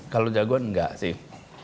kalau jagoan enggak sih